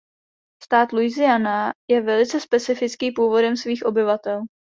Stát Louisiana je velice specifický původem svých obyvatel.